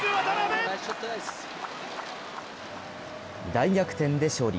大逆転で勝利。